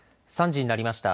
３時になりました。